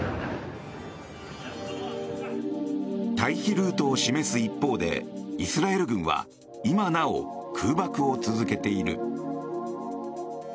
退避ルートを示す一方でイスラエル軍は今なお空爆を続けている。